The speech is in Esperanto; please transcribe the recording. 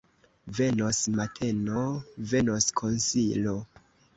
Venos mateno, venos konsilo!